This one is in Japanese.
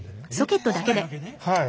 はい。